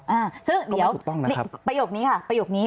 ก็ไม่ถูกต้องนะครับซึ่งเดี๋ยวประโยคนี้ค่ะประโยคนี้